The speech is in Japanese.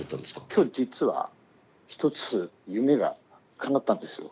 きょう実は一つ夢がかなったんですよ。